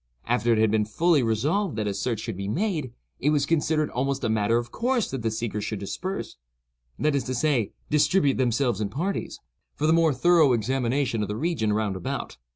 After it had been fully resolved that a search should be made, it was considered almost a matter of course that the seekers should disperse—that is to say, distribute themselves in parties—for the more thorough examination of the region round about.